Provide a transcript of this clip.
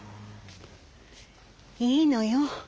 いいのよ。